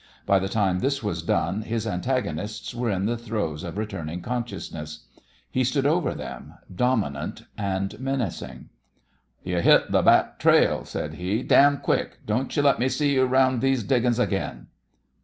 By the time this was done, his antagonists were in the throes of returning consciousness. He stood over them, dominant, menacing. "You hit th' back trail," said he, "damn quick! Don't you let me see you 'round these diggings again."